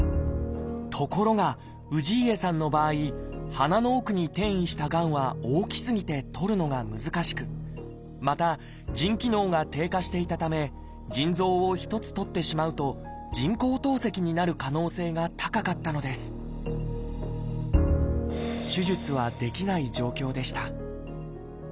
ところが氏家さんの場合鼻の奥に転移したがんは大きすぎてとるのが難しくまた腎機能が低下していたため腎臓を１つとってしまうと人工透析になる可能性が高かったのです手術はできない状況でした。